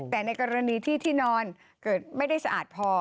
แต่ในกรณีที่ที่นอนเกิดไม่ได้สะอาดพอ